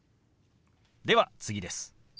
では次です。